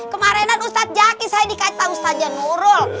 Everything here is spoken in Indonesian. kemaren ustaz zaki saya dikata ustaz janurul